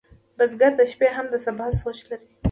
بزګر د شپې هم د سبا سوچ لري